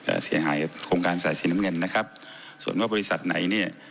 เสียหายโครงการสายสีน้ำเงินนะครับส่วนว่าบริษัทไหนเนี่ย